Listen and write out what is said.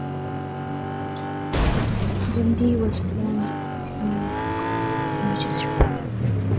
Biondi was born in Newark, New Jersey.